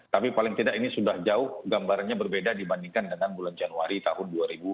tapi paling tidak ini sudah jauh gambarannya berbeda dibandingkan dengan bulan januari tahun dua ribu dua puluh